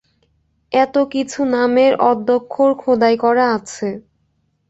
এতে কিছু নামের আদ্যক্ষর খোদাই করা আছে।